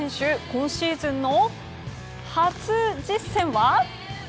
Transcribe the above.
今シーズンの初実戦は？